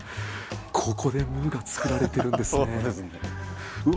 ここで「ムー」が作られてるんですね。